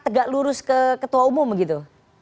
apakah tegas lurus ke ketua umum begitu